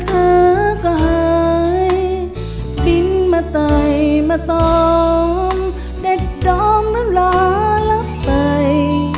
เธอก็หายฟิ้นมาไตมาตอมได้ดอมร้ำหลาแล้วไป